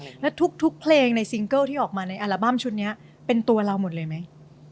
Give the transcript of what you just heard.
แล้วทุกเพลงในซิงเกิลที่ออกมาในอัลบั้มชุดนี้เป็นตัวเราหมดเลยไหม